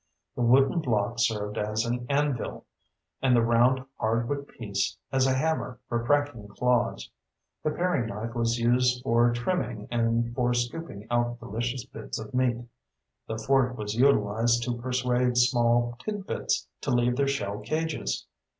The wooden block served as an anvil, and the round hardwood piece as a hammer for cracking claws. The paring knife was used for trimming and for scooping out delicious bits of meat. The fork was utilized to persuade small tidbits to leave their shell cages.